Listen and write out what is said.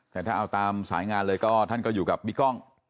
แต่ถ้าเอาตามสายงานเลยก็ท่านก็อยู่กับบิ๊กกล้อง